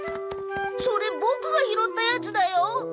それボクが拾ったやつだよ。